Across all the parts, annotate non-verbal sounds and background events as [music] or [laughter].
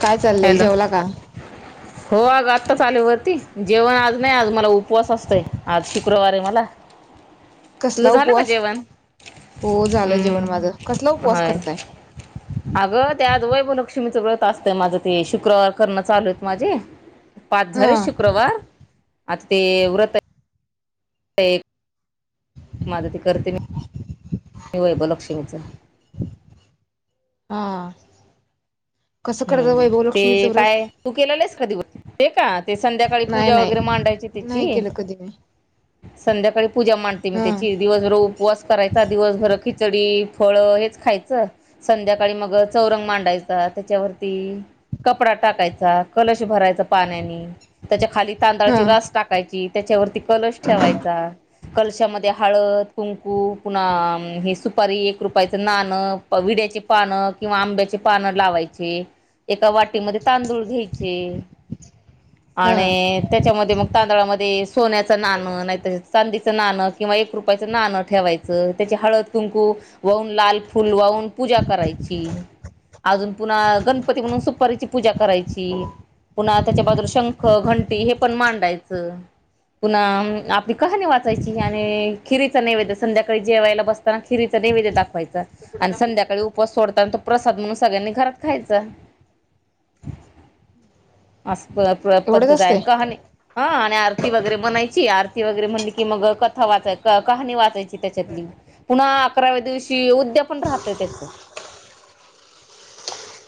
काय चाललंय हॅलो जेवला का? हो आग आत्ताच आली वरती, जेवण आज नाही आज मला उऽ उपवास असतय आज शुक्रवारे मला, तुझं कसला झालं का उपवास जेवण? हो झालं, जेवण हम्म माझं, कसला उपवास होय करताय? अगं त्या आत वैभलक्ष्मीचं व्रत असतंय, माझं ते शुक्रवार करणं चालूयत माझे,,, पाच हा झाले शुक्रवार, आता ते व्रतऽ एक, माझं त करते मी, मी वैभव लक्ष्मीच,, हा, कसं करता हम्म, वैभव लक्ष्मीचं ते व्रत काय तू केलेलं स कधी व्रत, ते का? ते संध्याकाळी नाही पूजा वगैरे मांडायची नाही नाही त्याचीऽ केलं कधी मी संध्याकाळी पूजा मांडते मी हा त्याची, दिवसभर उपवास करायचा, दिवसभर खिचडी फळं हेच खायचं, संध्याकाळी मग चौरंग मांडायचा त्याच्यावरती कपडा टाकायचा, कलश भरायचा पाण्यानी त्याच्या खाली हा तांदळाची रास टाकायची, त्याच्यावरती कलश ठेवायचा. कलशामध्ये हळद, कुंकू पुन्हा हे सुपारी, एक रुपयाचं नानं, विड्या त्याची पानं किंवा आंब्याची पानं लावाय ची एका वाटीमध्ये तांदूळ घ्यायचे. हा आणि त्याच्यामध्ये मग तांदळामध्ये सोन्याचं नाणं नाहीतर चांदीचं नान किंवा एक रुपयाचं नाणं ठेवायचं, त्याची हळद, कुकू वाहून, लाल फुल वाहून पूजा कराय ची आजून पुन्हा गणपती म्हणून सुपारीची पूजा करायची, पुन्हा त्याच्या बाजूला शंख, घंटी हे पण मांडायचं. पुन्हा अम आपली कहाणी वाचायची आणि खिरीचा नैवेद्य संध्याकाळी जेवायला बसताना खिरीचा नैवेद्य दाखवायचा आणि संध्याकाळी उपवास सोडताना तो प्रसाद म्हणून सगळ्यानी घरात खायच अस [unintelligible] एवढंच पद्धताय असतंय आणि कहानी हा आणि आर ती वगैरे म्हणायची, आरती वगैरे म्हणली की मग कथा वाचाय, क कहाणी वाचायची त्याच्यातली, पुन्हा अकराव्या दिवशी उद्या पण राहतय त्याच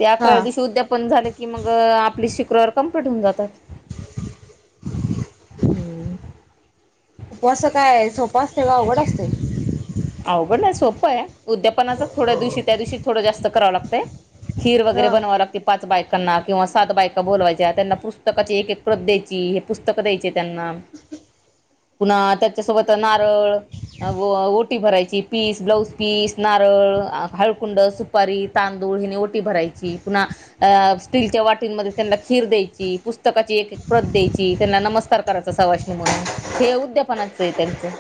ते हा अकराव्या दिवशी उद्यापन झाले कि मग आपली शुक्रवार कम्प्लीट होऊन जातात. हम्म. उपवास काय सोपा असतय वय अवघड असते. अवघड नाही सोपं आय, उद्यापनाच थोड्या दिवशी त्या दिवशी थोडं जास्त करावं लागतंय. खीर वगैरे हा बनवाव लागती, पाच बाय् कांना किंवा सात बायका बोलवायच्या, त्यांना पुस्तकाची एक एक प्रत द्यायची, हे पुस्तकं द्यायचे त्यांना ह पुन्हा त्याच्या सोबत अ नारळ अ गो ओ टी भरायची, पीस, ब्लाऊज पीस, नारळ, हळकुंड सुपारी, तांदूळ हिने ओटी भराय ची पुन्हा अ स्टीलच्या वाटींमध्ये त्यांनला खीर द्यायची, पुस्तकाची एक एक प्रत द्यायची, [unintelligible] त्यांना नमस्कार कराचा सवासणी म्हणून, हे उद्यापनाचेय त्यांचं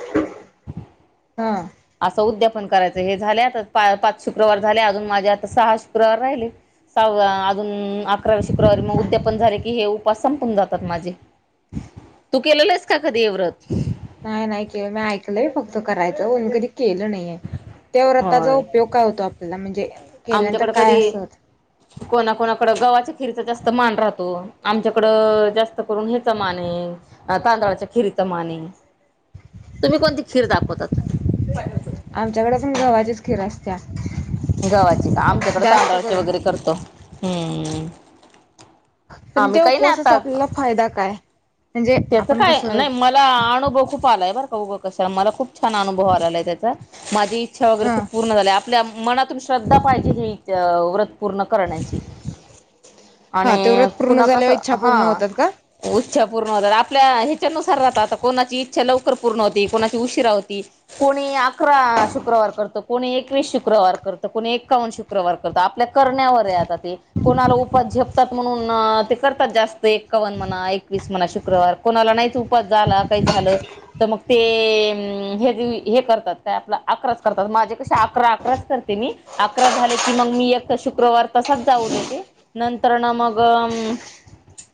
हा. असं उद्यापन करायचं, हे झाले आता पा पाच शुक्रवार झाले, अजून माझे आता सहा शुक्रवार राहिले. सव्वा अजून अकराव्या शुक्रवारी मग उद्यापन झाले की हे उपास संपून जातात माझे तू केलेलं आहेस का कधी हे व्रत? नाही नाही के मी ऐकलय फक्त करायचं [unintelligible] केल नईये, त्या व्रतचा उपयोग काय होतो आपल्याला म्हणजे केल्यानंतर आमच्याकड काय कधी असत कोणा कोणाकडं गवाच खिरीचा जास्त मान राहतो, आमच्याकड जास्त करून ह्याचा मान ये अ तांदळाच्या खिरी चा मान ये, तुम्ही कोणती खीर दाखवतात? आमच्याकडे पण गव्हाचीच खीर असत्या गवाची का आमच्याकड जास्त तांदळाची करून वगैरे करतो, हम्म पण आम्ही त्या काही उपवासाचा आपल्याला फायदा काय? त्याच आपण काय कसं नई मला अनुभव खूप आलाय बरं [unintelligible] कशाला मला खूप छान अनुभव आलेलाय त्याचा माझी इच्छा वगैरे हा खूप पूर्ण झाल्या, आपल्या मनातून श्रद्धा पाहिजे ही च व्रत पूर्ण करण्याची हा ते व्रत आणि पूर्ण पुन्हा कस, झाल्यावर इच्छा पूर्ण हा होतात का? उस इच्छा पूर्ण होतात, आपल्या ह्याच्यानुसार राहत आता कोणाची इ च्छा लवकर पूर्ण होती, कोणाची उशीरा होती, कोणी अकरा शुक्रवार करत, कोणी एकवीस शुक्र कवार करत, कोणी ऐकावन्न शुक्रवार करत, आपल्या करण्यावर आता ते, कोणाला उपवास झेपतात म्हणून अ ते करतात जास्त, एकावन्न म्हणा एकवीस म्हणा शुक्रवार, कोणाला नाहीच उपास झाला, काही झालं त मग ते [unintelligible] करतात अकरा करतात माझे कसे अकरा अकराच करते मी अकरा झाले की मग मी एक शुक्र वार तसंच जाऊ देते नंतर न मग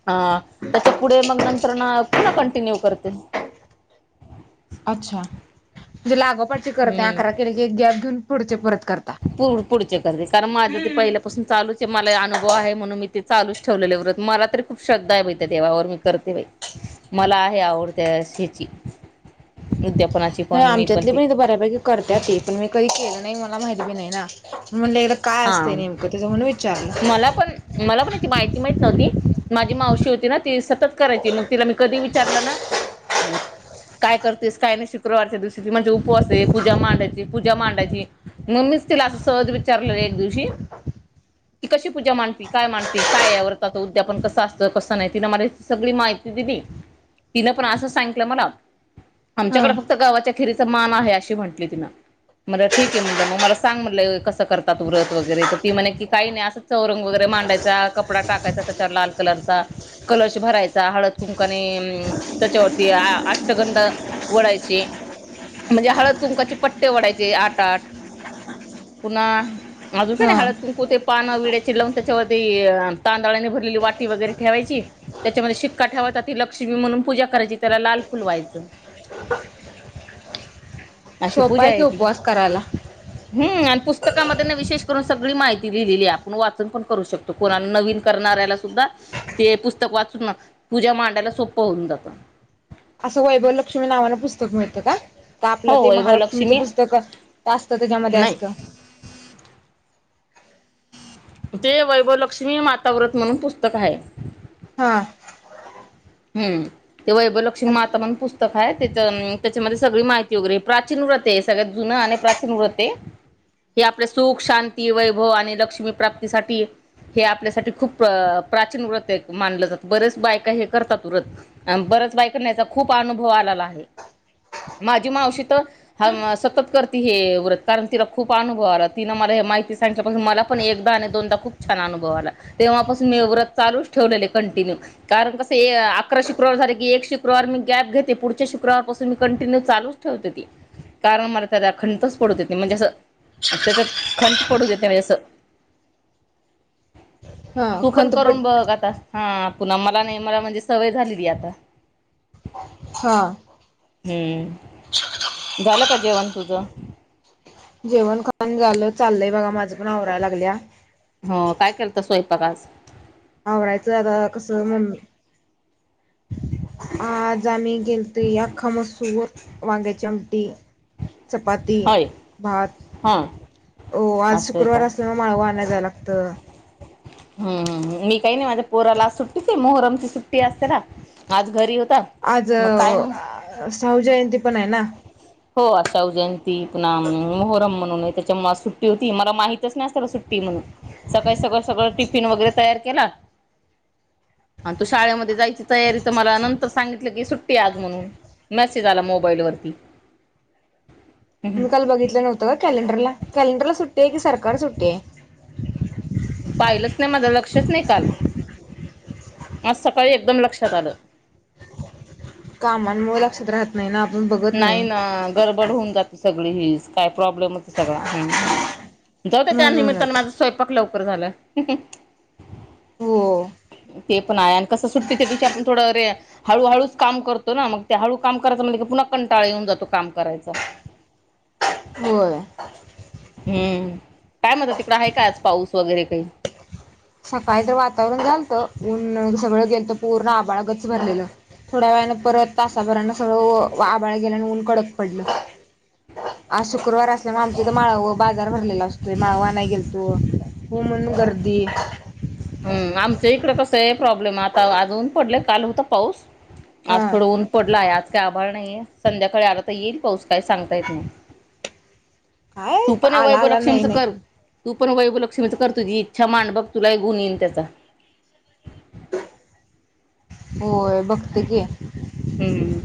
त्या पुढे मग नंतर न पुन्हा कंटिन्यू करते जे लागोपाट करते हम्म अकरा केले एक गॅप घेऊन पुडचे परत करता. पु पुढचे करते कारण माझं ते पहिल्यापासून चालूच मला अनुभव आहे म्हणून मी ते चालूच ठेवले व्रत मला तरी खुप श्रद्धा आहे त्या देवावर मी करते बाई मला आहे आवडते हेची आमच्यातले पण इथे बऱ्यापैकी करत्यात ते पण मी कधी केलं नाही मला माहित बी नाही ना म्हणलं एकला काय असतंय हा नेमकं त्याच म्हनूण विचारलं मला पण मला पण याची माहिती माहीत नव्हती माझी मावशी होती ना ती सतत करायची मग तिला मी कधी विचारलं ना काय करतेस काय नाही शुक्रवारच्या दिवशीची म्हणजे उपवास आहे पूजा मांडायची पूजा मांडायची मग मी असं सहज विचारलं एक दिवशी की कशी पूजा मांडती काय मांडवी काय या व्रताच उद्यापन कसं असतं कसं नाही ति मला सगळी माहिती दिली तिन पण अस सांगित मला हा. आमच्याकडे फक्त गावा खीरीचा मान आहे म्हट ति म्ह ठीक आहे म्ह म मला सांग म्हट कस करतात व्रत वगैरे तर ती म्ह कि काही नाही असं चौरंग वगैरे मांडायचा कपडा टाकायचा त्याच्यावर लाल कलरचा कलश भरायचा हळद कुंकाने त्याच्यावरती अष्टगंधा वढायची म्हणजे हळद कुंकाचे पट्टे वढायचे आठ आठ पुन्हा अजून काय नाही हा हळद कुंकू ते पान विड्याची पाने लावून त्याच्यावरती तांदळाने भरलेली वाटी वगैरे ठेवायची त्याच्यामध्ये शिक्का ठेवायचा ती लक्ष्मी म्हणून पूजा करायची त्याला लाल फुल व्हायचं अशी सोपा पूजा की आहे ती उपवास करायला हम्म पुस्तकामध्ये विशेष करून सगळी माहिती लिहिलेली आहे आपण वाचन पण करू शकतो कोणा नवीन करणाऱ्याला सुद्धा ते पुस्तक पुस्तक वाचून ना तूजा मांडायला सोपं होऊन जातं असं वैभव लक्ष्मी नावान पुस्तक मिळतं का? हो आपलं ते महालक्ष्मीच वैभवलक्ष्मी पुस्तक असत त्याच्यामध्ये असत? नाही ते वैभलक्ष्मी माता व्रत म्हणून पुस्तक आहे हा हम् ते वैभलक्ष्मी माता म्हण पुस्तक आहे त्याच्यामध्ये सगळी माहिती वगैरे प्राचीन व्रत आहे सगळ्यात जुन आणि प्राचीन व्रते हे आपले सुख शांती वैभव आणि लक्ष्मी प्राप्तीसाठी हे आपल्यासाठी खूप प्राचीन व्रत मानलं जातं बरेच बायका हे करतात तुरत अ बरच बायकाना याचा खूप अनुभव आलेला आहे माझी मावशी तर सतत करती हे व्रत कारण तिला खूप अनुभव आला तिन मला माहिती सांगितल्यापासून मला पण एकदा आणि दोनदा खूप छान अनुभव आला तेव्हापासून मी व्रत चालू ठेवलेल कंटिन्यू कारण कस अकरा शुक्रवार झाले की एक शुक्रवार मी गॅप घेते पुढच्या शक्रवारपासून मी कंटिन्यू चालूच ठेवते ती कारण मला त्या अखंडच पडत येते म्हणजे असं त्याच खंड पडू देते म्हणजे जसं हा तू पण खंतपट करून बघ आता हा पुन्हा मला नाही मला म्हणजे सवय झालीली आता हा हम्म झालं का जेवण तुझ? जेवण खान झालं चाललय बघा माझ पण आवराय लागल्या हो काय केलता स्वयंपाक आज? आवरायचं आता कसं म्हण आज आम्ही केलत या आखा मसूर वांगयाची आमटी चपाती होय भात हा हो आज असं आहे का शुक्रवार असल्यामूळ माळव आणाय जाय लागत हम्म मी काही नाही माझ्या पोराला आज सुट्टीच मोहरमची सुट्टी असते ना आज घरी होते आज शाहू जयंती पण आहे ना? हो आज शाहू जयंती, पुन्हा मोहरम म्हणून त्याच्यामुळे आज सुट्टी होती. मला माहितच नाही अस त्याला सुट्टी म्हणून सकाळी सगळं, सगळं, टिफिन, वगैरे तयार केला. हा तू शाळेमध्ये जायची तयारी, तर मला नंतर सांगितलं की सुट्टी आज म्हणून. मेसेज आला मोबाईलवरती मी काल बघितलं नव्हतं का कॅलेंडरला कॅलेंडरला सुट्टी आहे की सरकार सुट्टी आहे पाहिलंच नाही, माझं लक्षच नाही काल आज सकाळी एकदम लक्षात आलं. कामामुळे लक्षात राहत नाही ना. आपण बघत नाही ना, गडबड होऊन जाते सगळी हीच काय प्रॉब्लेम होते सगळा हम् जाऊद्या त्यानमित्तान म्हणूनच माझा स्वयंपाक लवकर झालं. हो. ते पण आहे आणि कसं सुट्टी त्या दिवशी आपण थोडं अरे हळूहळूच काम करतो ना, मग त्या हळू काम करायं म्हणज पुन्हा कंटाळा येऊन जातो काम करायचा. होय. हम्म काय म्हणतो, तिकडं आहे का आज पाऊस वगैरे काही? सकाळी तर वातावरण झालत, न सगळं गेल तर पूर्ण आभाळ गच्च भरलेलं थोड्या वेळन परत तासाभरान सगळं आभाळ गेल. आणि ऊन कडक पडलं. आज शुक्रवार असल्यामुळे आमच्या इथ माळव बाजार भरलेला असतोय. माळवा आणायला गेलतो. हो म्हणून गर्दी हम आमच्या इकड कसं, प्रॉब्लेम आता आज ऊन पडलय काल होता पाऊस. आज हा थोडं ऊन पडलाय, आज काय आभाळ नाहीये, संध्याकाळी आला तर येईल पाऊस काय सांगता येत नाही. काय तू पण आला आला नाही वैभवलक्ष्मीच नाही. कर, तू पण वैभवलक्ष्मीच कर, तुझी इच्छा मांड बघ तुला एक गून येईल त्याचा. होय बघते की हम्म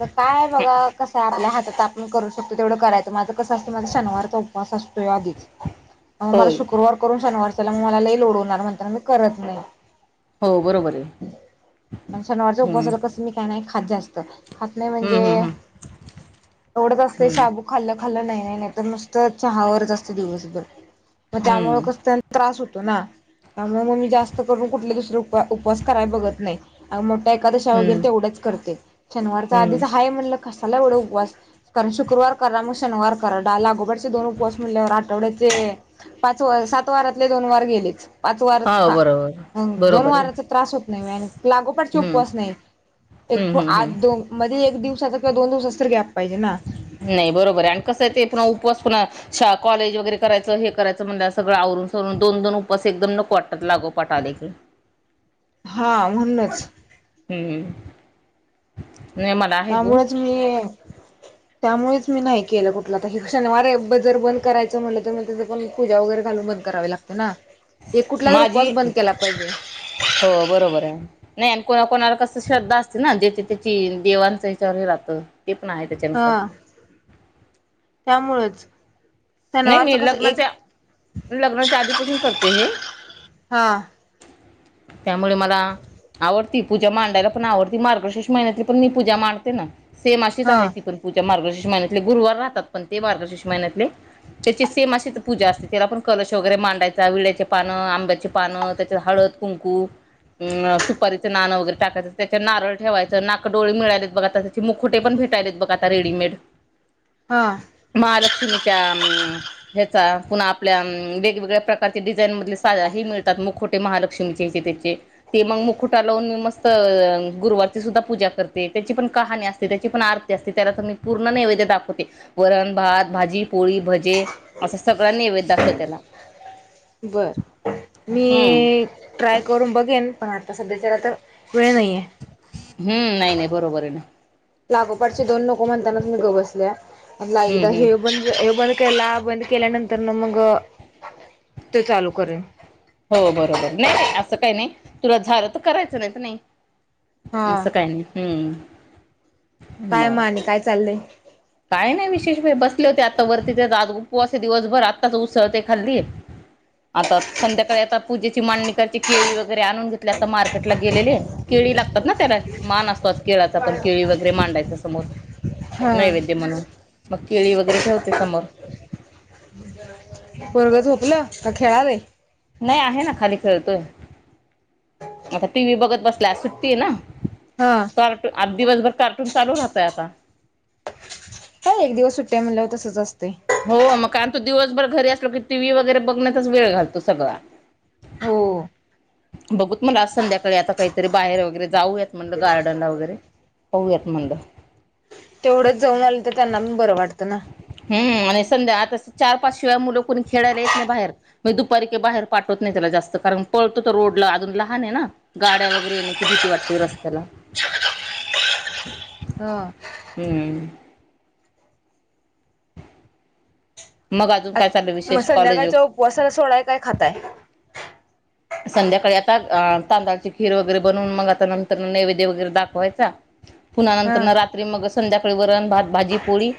तर काय बघा कस आपल्या हात त आपण करू शकतोय तेवढं करायचं, माझं कसं असत माझा शनिवारचा उपवास असतो. तोय आधीच, त्यामुळे मला होय शुक्रवार करून शनिवार त्यामूळे मला लय लोड होणार, म्हणताना मी करत नाही. हो बरोबर अय आणि शनिवारच्या उपसाला कसं, मी काय नाय खात जास्त. खात नाय हम्म म्हणजे, हम्म एवढच असतय हम्म शाबू खाल्ल खाल् नाय तर नुसत चहावरच असते दिवसभर, मग त्यामुळे हम्म कस त्यान त्रास हो. होतो ना, त्यामुळे मग मी जास्त करून कुठल दुसर उपवास कराय बघत नाही. एकादशा वगैर हम्म ते एवढ्याच करते. शनिवारचा हम्म आधीच हाय म्हणलं, कशाला एवढा उपवास कारण शुक्रवार करा, मग शनिवार करा, डा लागोपाटचे दोन उपावस म्हणल्यावर आठवड्याचे पाच वज सात वारातले दोन वार गेलेच, पाच वारच हा खा बरोबर दोन बरोबर आहे वाराच त्रास होत नाही मेन, लागोपाटचे हम्म उपवास नाहीत. हम्म एक हम्म आज हम्म दोन मध्ये एक दिवसाचा किंवा दोन दिवसाचा तरी गॅप पाहिजे ना? नाही बरोबर, आणि कसं ते पुन्हा उपवास पुन्हा कॉलेज वगैरे करायचं, हे करायचं म्हणाल्यावर सगळ सोडून दोन दोन उपास एकदम नको वाटतात, लागोपाट आले की. हा म्हणूनच. हम्म.. नाही मला आहे गुण त्यामुळच मी त्यामुळेच मी नाही केलं, कुठला तर क शनिवार जर बंद करायचं म्हटलं तर, मग त्याच पण पूजा वगैरे घालून बन करावे लागत ना, एक कुठला तर माझी उपवास बंद केला पाहिजे. न्हय आणि कोणा कोणाला कस श्रद्धा असते ना, ज्याची त्याची देवांचा विचार हे राहतं ते पण आहे त्याच्यानुसार हा त्यामुळेच न्हय मी शनिवारचं कसं एक लग्नाच्या, लग्नाच्या, आधीपासून करते हे. आ. त्यामुळे मला आवडती पूजा मांडायला पण आवडती. मार्गशीर्ष महिन्यातली पण मी पूजा मांडते ना. सेम अशीच हा आहे ती पण पूजा मार्गशीर्ष महिन्यातले गुरुवार राहतात पण ते मार्गशीर्ष महिन्यातले त्याची सेम अशीच पूजा असते त्याला पण कलश वगैरे मांडायचा, विड्याचे पानं, आंब्याची पानं त्याच्य हाळ द कुंकू म सुपारीचे नानं वगैरे टाकायचं त्याच्या नारळ ठेवायचं नाकडोळे मिळालेत बघा त्याचे मुखटे पण भेटालेत बघा आता रेडीमेड हा महालक्ष्मीच्या ह्याचा पुन्हा आपल्या वेगवेगळ्या प्रकारचे डिझाईन मधले साध्या हे मिळतात मुकुट ते महालक्ष्मीचे ह्याचे त्याचे ते मग मुखुटा लावून मी मस्त गुरुवारची सुद्धा पूजा करते त्याची पण कहाणी असते त्याची पण आरती असते त्याला तर मी पूर्ण नैवेदय दाखवते वरण भात भाजी पोळी भ ते असं सगळा नैवेद्य लागतो त्याला बर हम्म मी ट्राय करून बघेन पण आता सध्याच्याला तर वेळ नाहीये हम्म नाही नाही बरोबर ये ना लागोपाटचे दोन नको म्हणतानाच मी ग बसलेय एकदा हम्म हम्म हे बंद हे बंद केला बंद. केल्यानंतर न मग तो चालू करीन. हो बरोबर नाही नाही असं काय नय तुला झालं तर करायचं नाहीतर न्हय हा असं काय नय हम्म काय बर मग आणि काय चाललंय काय नाही विशेष बसले होते आता वरती ते जाद उपवास आहे दिवसभर आत्ताच उसळते खाल्ली आता संध्याकाळी आता पूजेची मांडणी कची केळी वगैरे आणून घेतली आता मार्केटला गेलेले केळी लागतात ना त्याला मान असतोच केळाचा पण केळी वगैरे मांडायच समोर हा नैवेद. म्हणून मग केळी वगैरे ठेवते समोर. तला खेळालय नाही आहे ना खाली खेळतोय. आता टी व्ही बघत बसला सुट्टी ना हा त आज दिवसभर कार्टून चालू राहतय आता. हा एक दिवस सुट्ट्या म्हणलं तसच असते हो मग कारण तो दिवसभर घरी असलो की, टी व्ही वगैरे बघण्याचाच वेळ घालतो सगळा. [inaudible] हो बघू मला आज संध्याकाळी आता काहीतरी बाहेर वगैरे जाऊयात म्हटलं गार्डनला वगैरे पाहूयात म्हटल. तेवढंच जाऊन आलं तर त्यांना पण बरं वाटतं ना. हम्म संध्या आता चार पाच शिवाय मुलं कोणी खेळायला येत नाही बाहेर मग दुपारी बाहेर पाठवत नाही त्याला जास्त कार पळतो तर रोड ला अजून लहान आहे ना गाड्या वगैरे येण्याची भीती वाटते रस्त्याला [inaudible] हा हम्म मग आजून मग संध्याकाळच्या उपवासाला सोडाय काय खाताय संध्याकाळी आता तांदळाची खीर वगैरे बनवून मग आता नंतर नैवेद्य वगैरे दाखवायचा. पुन्हा नंतर हा न रात्री मग संध्याकाळी वरण भात भाजी पोळी.